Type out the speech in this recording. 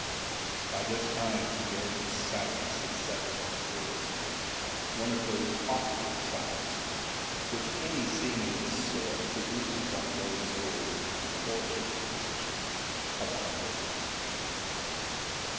*' By this time a dead silence had settled on the ward room, one of those awkward silences which any scene of this sort produces on those who are in the unfortu nate position of onlookers.